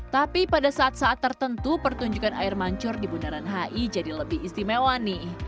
tapi pada saat saat tertentu pertunjukan air mancur di bundaran hi jadi lebih istimewa nih